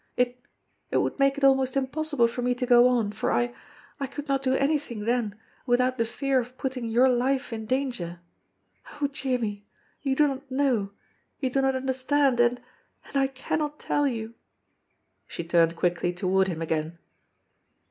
It it would make it almost im possible for me to go on, for I I could not do anything then without the fear of putting your life in danger. Oh, Jimmie, you do not know, you do not understand, and and I cannot tell you!" She turned quickly toward him again.